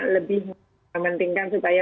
lebih mementingkan supaya